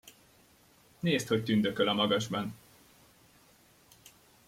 Nézd, hogy tündököl a magasban!